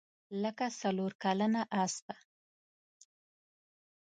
لکه څلورکلنه اسپه.